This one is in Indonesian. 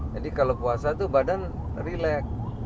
jadi kalau puasa tuh badan relax